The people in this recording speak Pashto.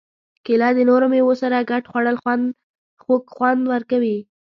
کېله د نورو مېوو سره ګډه خوړل خوږ خوند ورکوي.